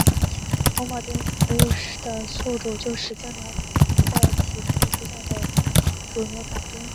红铆钉菇的宿主就是经常在其附近出现的乳牛肝菌。